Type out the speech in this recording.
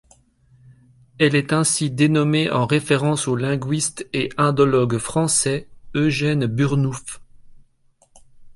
Elle est ainsi dénommée en référence au linguiste et indologue français, Eugène Burnouf.